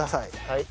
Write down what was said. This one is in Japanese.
はい。